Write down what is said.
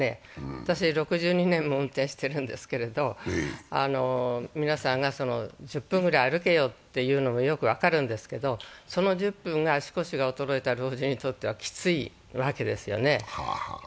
私６２年も運転しているんですけれども、皆さんが１０分くらい歩けよと言うのもよく分かるんですけどその１０分が足腰が衰えた老人にとってはきついわけですよね。